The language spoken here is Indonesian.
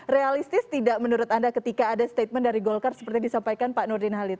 realistis tidak menurut anda ketika ada statement dari golkar seperti disampaikan pak nurdin halid